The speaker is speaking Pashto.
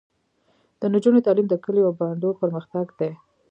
د نجونو تعلیم د کلیو او بانډو پرمختګ دی.